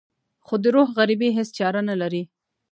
خو د روح غريبي هېڅ چاره نه لري.